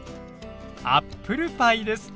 アップルパイです。